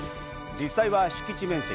実際は敷地面積